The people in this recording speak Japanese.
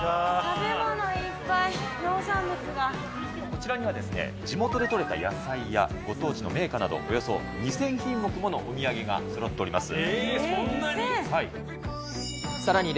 こちらには地元で取れた野菜や、ご当地の銘菓など、およそ２０００品目ものお土産がそろっております。